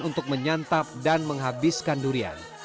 untuk menyantap dan menghabiskan durian